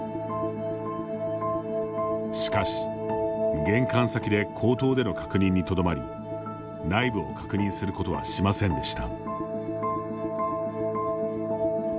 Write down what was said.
しかし、玄関先で口頭での確認にとどまり内部を確認することはしませんでした。